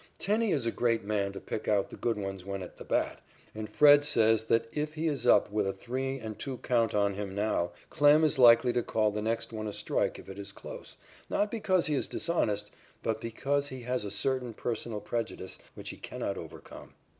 Tenney is a great man to pick out the good ones when at the bat, and Fred says that if he is up with a three and two count on him now, Klem is likely to call the next one a strike if it is close, not because he is dishonest, but because he has a certain personal prejudice which he cannot overcome.